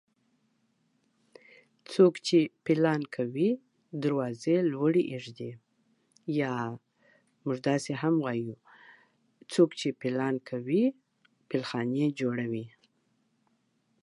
څوک چې پيلان کوي، دروازې لوړي اېږدي.